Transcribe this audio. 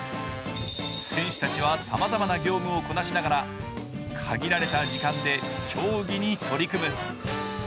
選手たちはさまざまな業務をこなしながら限られた時間で競技に取り組む。